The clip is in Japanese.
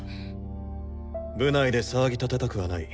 部内で騒ぎ立てたくはない。